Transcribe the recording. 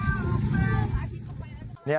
อ้าวออกมาอาทิตย์ออกไปแล้วครับ